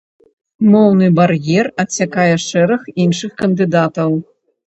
Моўны бар'ер адсякае шэраг іншых кандыдатаў.